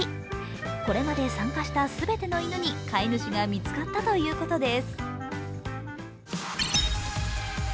これまで参加した全ての犬に飼い主が見つかったということです。